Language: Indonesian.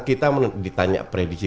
kita ditanya predisi